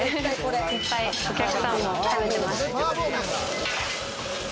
いっぱいお客さんも食べてます。